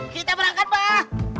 kita berangkat mbak